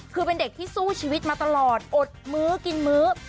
คือเป็นเด็กที่สู้ชีวิตมาตลอดอดมื้อกินมื้อ